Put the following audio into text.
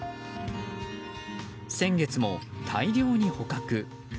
先月も大量に捕獲。